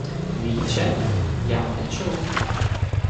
— Віче? Я-м не чув...